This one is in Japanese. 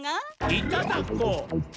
いただこう。